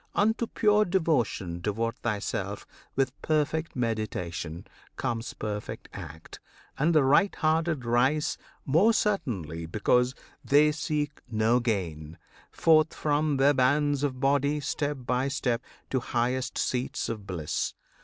Unto pure devotion Devote thyself: with perfect meditation Comes perfect act, and the right hearted rise More certainly because they seek no gain Forth from the bands of body, step by step, To highest seats of bliss.